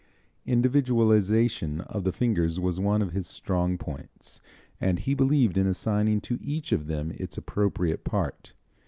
Individualization of the fingers was one of his strong points, and he believed in assigning to each of them its appropriate part.